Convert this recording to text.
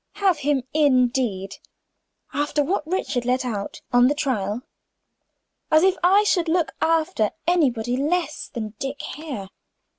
"Have him, indeed. After what Richard let out on the trial. As if I should look after anybody less than Dick Hare!